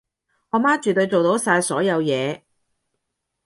我媽絕對做到晒所有嘢